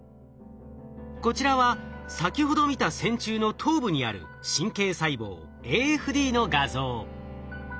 こちらは先ほど見た線虫の頭部にある神経細胞ＡＦＤの画像。